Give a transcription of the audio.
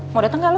mau dateng gak lo